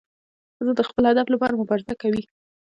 ښځه د خپل هدف لپاره مبارزه کوي.